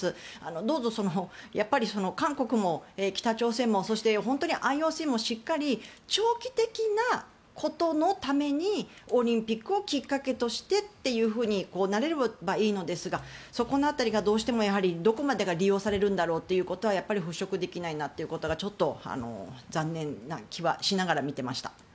どうぞ韓国も北朝鮮もそしてＩＯＣもしっかり長期的なことのためにオリンピックをきっかけとしてというふうになれればいいのですがそこの辺りが、どうしてもどこまでが利用されるんだろうということはやっぱり払しょくできないなということがちょっと残念な気はしながら見ていました。